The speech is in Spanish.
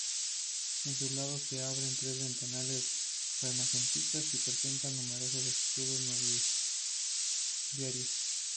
En sus lados se abren tres ventanales renacentistas y presenta numerosos escudos nobiliarios.